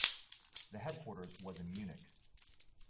The headquarters was in Munich.